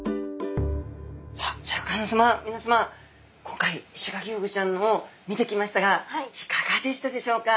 今回イシガキフグちゃんを見てきましたがいかがでしたでしょうか？